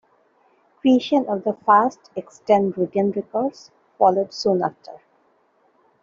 Creation of the first extant written records followed soon after.